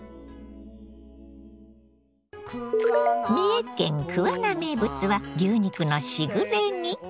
三重県桑名名物は牛肉のしぐれ煮。